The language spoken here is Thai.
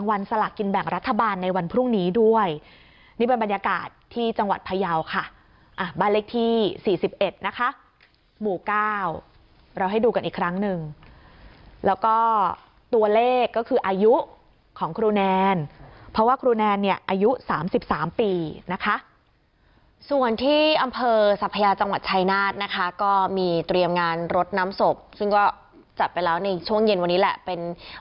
สลักกินแบ่งรัฐบาลในวันพรุ่งนี้ด้วยนี่เป็นบรรยากาศที่จังหวัดพยาวค่ะอ่ะบ้านเลขที่สี่สิบเอ็ดนะคะหมู่เก้าเราให้ดูกันอีกครั้งหนึ่งแล้วก็ตัวเลขก็คืออายุของครูแนนเพราะว่าครูแนนเนี่ยอายุ๓๓ปีนะคะส่วนที่อำเภอสัพยาจังหวัดชายนาฏนะคะก็มีเตรียมงานรถน้ำศพซึ่งก็จัดไปแล้วในช่วงเย็นวันนี้แหละเป็น